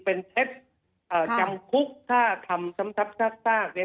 เป็นเท็จจำคุกถ้าทำซ้ำทับซากอย่างนี้